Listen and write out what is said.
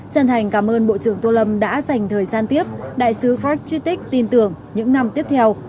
chân thành cảm ơn bộ trưởng tô lâm đã dành thời gian tiếp đại sứ frad tritick tin tưởng những năm tiếp theo